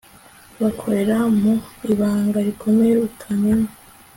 bakorera mu ibanga rikomeye utamenya